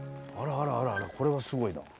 あらあらあらこれはすごいな。